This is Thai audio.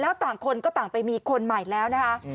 แล้วต่างคนก็ต่างไปมีคนใหม่แล้วนะคะ